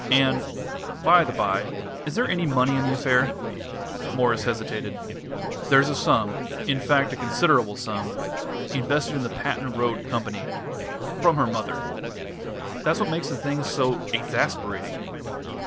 And, by the bye, is there any money in the affair?" Mwres hesitated. "There's a sum in fact, a considerable sum invested in the Patent Road Company. From her mother. That's what makes the thing so exasperating."